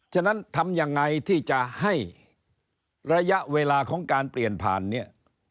ฉะนั้นทำยังไงที่จะให้ระยะเวลาของการเปลี่ยนผ่านเนี่ย